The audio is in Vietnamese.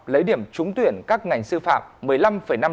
lấy điểm trúng tuyển các ngành sư phạm